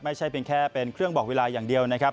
ไม่ใช่เป็นแค่เป็นเครื่องบอกเวลาอย่างเดียวนะครับ